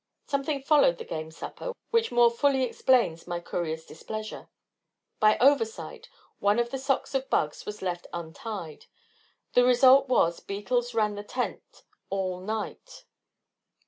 Something followed the game supper which more fully explains my courier's displeasure. By oversight, one of the socks of bugs was left untied; the result was, beetles ran the tent all night.